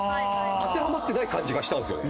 当てはまってない感じがしたんですよね。